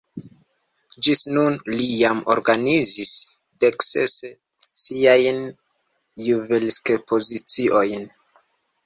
Ĝis nun li jam organizis dek ses siajn juvelekspoziciojn.